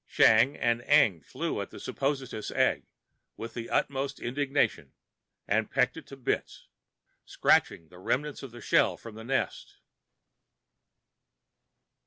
Shang and Eng flew at the suppositious egg with the utmost indignation and picked it to pieces, scratching the remnants of the shell from the nest....